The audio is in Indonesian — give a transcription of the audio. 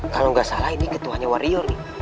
kalo gak salah ini ketuanya wario nih